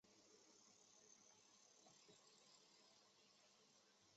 最后投奔杜弢。